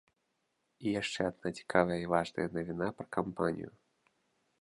І яшчэ адна цікавая і важная навіна пра кампанію.